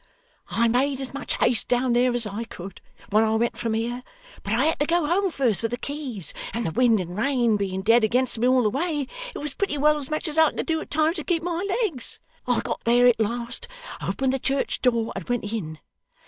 'I made as much haste down there as I could when I went from here, but I had to go home first for the keys; and the wind and rain being dead against me all the way, it was pretty well as much as I could do at times to keep my legs. I got there at last, opened the church door, and went in.